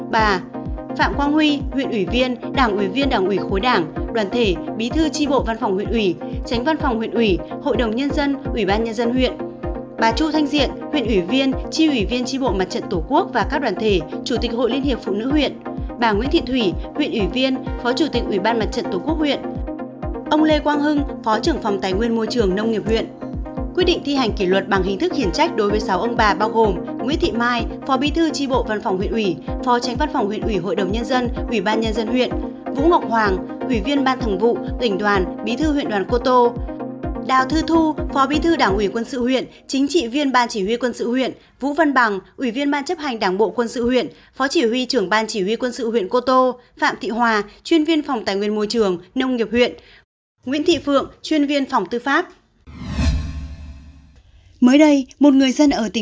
bà bao gồm nguyễn thị mai phó bi thư tri bộ văn phòng huyện ủy phó tránh văn phòng huyện ủy hội đồng nhân dân ủy ban nhân dân huyện vũ ngọc hoàng hủy viên ban thẳng vụ tỉnh đoàn bi thư huyện đoàn cô tô đào thư thu phó bi thư đảng ủy quân sự huyện chính trị viên ban chỉ huy quân sự huyện vũ vân bằng ủy viên ban chấp hành đảng bộ quân sự huyện phó chỉ huy trưởng ban chỉ huy quân sự huyện cô tô phạm thị hòa chuyên viên phòng tài